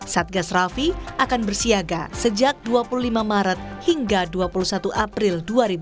satgas rafi akan bersiaga sejak dua puluh lima maret hingga dua puluh satu april dua ribu dua puluh